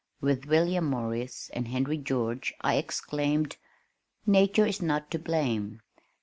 With William Morris and Henry George I exclaimed, "Nature is not to blame.